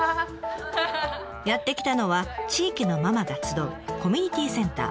やって来たのは地域のママが集うコミュニティーセンター。